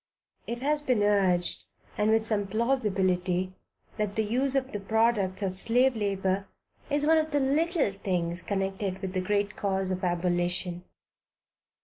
It has been urged, and with some plausibility, that the use of the products of slave labor, is one of the "little things" connected with the great cause of abolition.